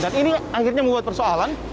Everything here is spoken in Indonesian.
dan ini akhirnya membuat persoalan